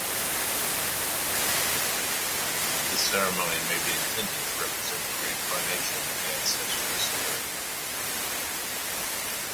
This ceremony may be intended to represent the reincarnation of the ancestral spirit.